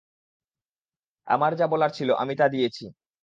আমার যা বলার ছিল, আমি তা দিয়েছি।